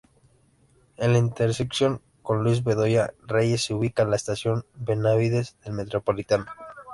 En la intersección con Luis Bedoya Reyes se ubica la estación Benavides del Metropolitano.